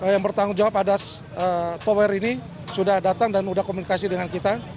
yang bertanggung jawab atas tower ini sudah datang dan sudah komunikasi dengan kita